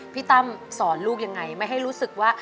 ตั้มสอนลูกยังไงไม่ให้รู้สึกว่า